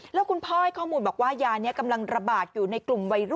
แล้วคุณพ่อให้ข้อมูลบอกว่ายานี้กำลังระบาดอยู่ในกลุ่มวัยรุ่น